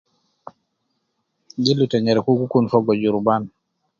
Gildu te nyereku gi kun fogo juruban